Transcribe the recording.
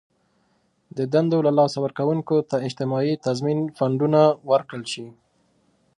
د دندو له لاسه ورکوونکو ته اجتماعي تضمین فنډونه ورکړل شي.